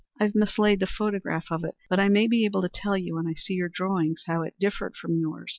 I've mislaid the photograph of it, but I may be able to tell you when I see your drawings how it differed from yours.